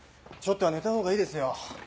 ちょっとは寝たほうがいいですよ。